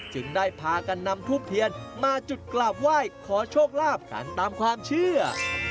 จึงได้พากันนำทูบเทียนมาจุดกราบไหว้ขอโชคลาภกันตามความเชื่อ